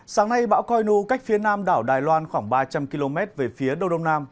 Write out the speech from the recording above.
sáng nay bão coi nu cách phía nam đảo đài loan khoảng ba trăm linh km về phía đông đông nam